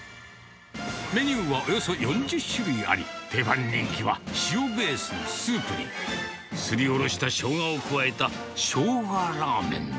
メニューはおよそ４０種類あり、定番人気は塩ベースのスープに、すりおろしたしょうがを加えたショウガラーメン。